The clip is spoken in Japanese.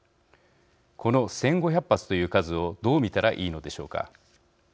この１，５００発という数をどう見たらいいのでしょうか。